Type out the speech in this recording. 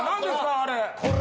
あれ。